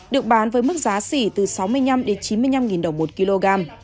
được bán với mức giá xỉ từ sáu mươi năm đến chín mươi năm nghìn đồng một kg